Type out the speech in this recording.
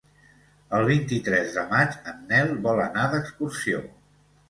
El vint-i-tres de maig en Nel vol anar d'excursió.